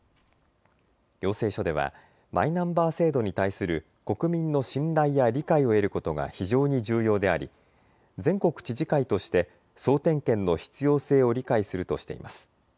要請書ではマイナンバー制度に対する国民の信頼や理解を得ることが非常に重要であり全国知事会として総点検の必要性を理解するとしています。